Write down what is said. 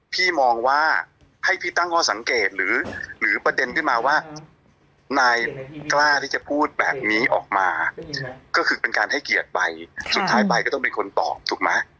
พี่มองว่าให้พี่ตั้งข้อสังเกตหรือประเด็นขึ้นมาว่านายกล้าที่จะพูดแบบนี้ออกมาก็คือเป็นการให้เกียรติใบสุดท้ายใบก็ต้องเป็นคนตอบถูกไหม